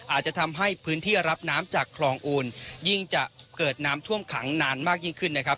อาจจะทำให้พื้นที่รับน้ำจากคลองอูนยิ่งจะเกิดน้ำท่วมขังนานมากยิ่งขึ้นนะครับ